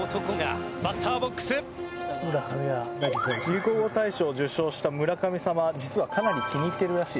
流行語大賞を受賞した「村神様」実はかなり気に入ってるらしいです。